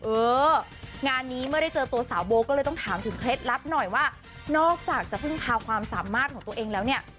เอองานนี้เมื่อได้เจอตัวสาวโบก็เลยต้องถามถึงเคล็ดลับหน่อยว่านอกจากจะพึ่งพาความสามารถของตัวเองแล้วเนี่ย